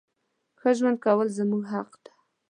ښه ژوند کول زموږ حق ده.